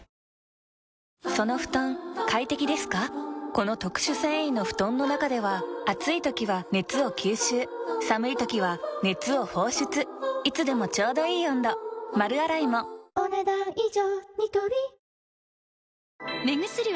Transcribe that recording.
この特殊繊維の布団の中では暑い時は熱を吸収寒い時は熱を放出いつでもちょうどいい温度丸洗いもお、ねだん以上。